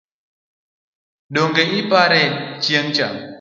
Donge ipare chieng’cha?